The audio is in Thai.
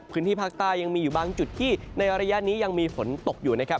พื้นที่ภาคใต้ยังมีอยู่บางจุดที่ในระยะนี้ยังมีฝนตกอยู่นะครับ